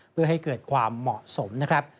เพื่อให้เกิดความเหมาะสมนะครับ